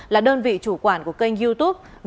là đơn vị chủ quản của kênh youtube